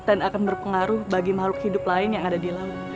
dan akan berpengaruh bagi makhluk hidup lain yang ada di laut